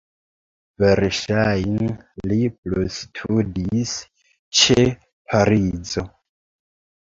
Verŝajne li plustudis ĉe Parizo.